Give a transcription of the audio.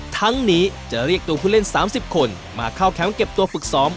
ทั้งนี้จะเรียกตัวผู้เล่น๓๐คนมาเข้าแคมป์เก็บตัวฝึกซ้อม